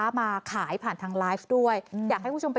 ใช่คือแบบเธอสวยมากเลยอะ